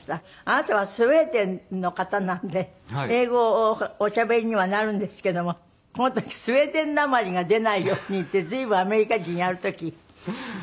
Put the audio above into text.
あなたはスウェーデンの方なんで英語をおしゃべりにはなるんですけどもこの時スウェーデンなまりが出ないようにって随分アメリカ人やる時考えたんですって？